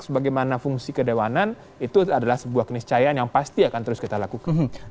sebagaimana fungsi kedewanan itu adalah sebuah keniscayaan yang pasti akan terus kita lakukan